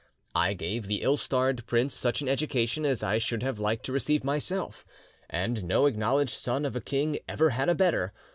"'I gave the ill starred prince such an education as I should have liked to receive myself, and no acknowledged son of a king ever had a better.